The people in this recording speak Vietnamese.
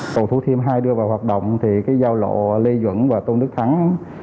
cầu thủ thiêm hai đưa vào hoạt động thì cái giao lộ lê duẩn và tôn đức thắng